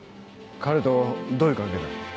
彼とどういう関係だ？